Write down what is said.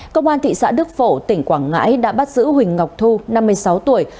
công an thị xã đức phổ tỉnh quảng ngãi đã bắt giữ huỳnh ngọc thu năm mươi sáu tuổi